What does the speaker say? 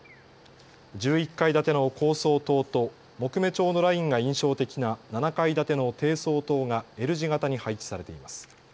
１１階建ての高層棟と木目調のラインが印象的な７階建ての低層棟がＬ字型に配置されています。